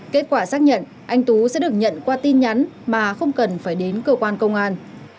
kết quả xác nhận anh tú sẽ được nhận qua tin nhắn mà không cần phải đến cơ quan công an